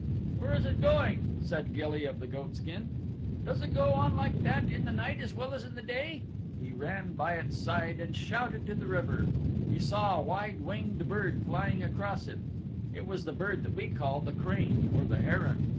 "Where is it going?" said Gilly of the Goatskin. "Does it go on like that in the night as well as in the day?" He ran by its side and shouted to the river. He saw a wide winged bird flying across it. It was the bird that we call the crane or the heron.